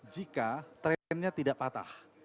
jika trennya tidak patah